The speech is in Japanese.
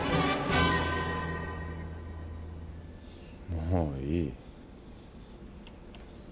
もういい。